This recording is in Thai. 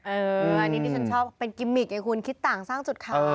อันนี้ที่ฉันชอบเป็นกิมมิกไงคุณคิดต่างสร้างจุดขาย